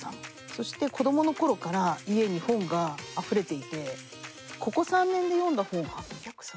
そして子供の頃から家に本があふれていてここ３年で読んだ本が８００冊。